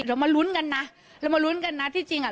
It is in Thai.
เดี๋ยวมาลุ้นกันนะเรามาลุ้นกันนะที่จริงอ่ะ